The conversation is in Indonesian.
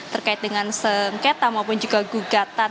terkait dengan sengketa maupun juga gugatan